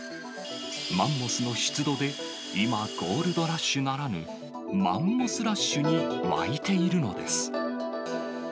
マンモスの出土で、今、ゴールドラッシュならぬ、マンモスラッシュに沸いているのです。